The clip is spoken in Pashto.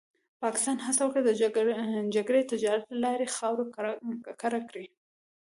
پاکستان هڅه وکړه د جګړې تجارت له لارې خاوره ککړه کړي.